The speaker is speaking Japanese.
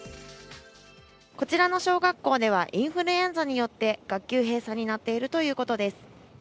こちらの小学校ではインフルエンザによって学級閉鎖になっているということです。